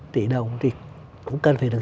tỷ đồng thì cũng cần phải được